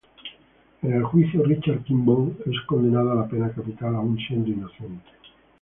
En el juicio Richard Kimble es condenado a la pena capital aún siendo inocente.